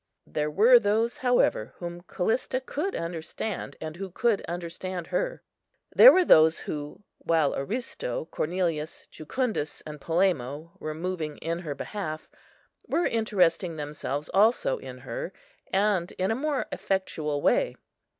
There were those, however, whom Callista could understand, and who could understand her; there were those who, while Aristo, Cornelius, Jucundus, and Polemo were moving in her behalf, were interesting themselves also in her, and in a more effectual way.